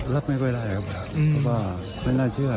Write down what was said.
รับไม่ค่อยได้ครับเพราะว่าไม่น่าเชื่อ